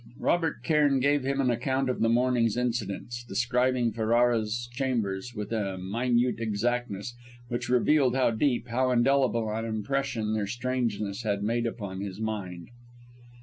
Robert Cairn gave him an account of the morning's incidents, describing Ferrara's chambers with a minute exactness which revealed how deep, how indelible an impression their strangeness had made upon his mind.